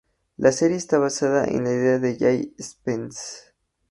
La serie está basada en la idea de Jay Stephens.